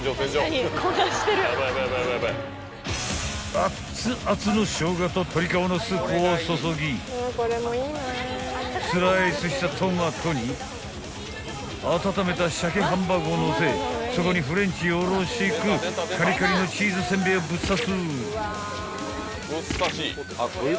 ［熱々のしょうがと鶏皮のスープを注ぎスライスしたトマトに温めた鮭ハンバーグをのせそこにフレンチよろしくカリカリのチーズせんべいをぶっ刺す］